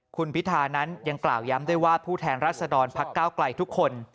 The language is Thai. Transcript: คุณพิธานั้นยังกล่าวย้ำด้วยว่าผู้แทนรัศดรพักก้าวไกลทุกคน